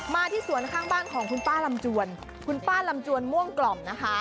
ที่สวนข้างบ้านของคุณป้าลำจวนคุณป้าลำจวนม่วงกล่อมนะคะ